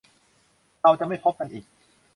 เราจะไม่พบกันอีก